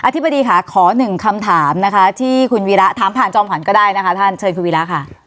ธิบดีค่ะขอหนึ่งคำถามนะคะที่คุณวีระถามผ่านจอมขวัญก็ได้นะคะท่านเชิญคุณวีระค่ะ